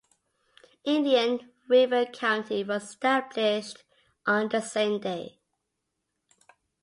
Indian River County was established on the same day.